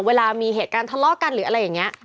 เวลามีเหตุการณ์ทะเลาะกันหรืออะไรอย่างนี้